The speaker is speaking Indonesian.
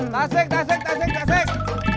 tasik tasik tasik tasik